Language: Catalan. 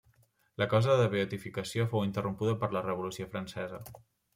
La causa de beatificació fou interrompuda per la Revolució francesa.